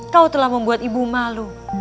kau telah membuat ibu malu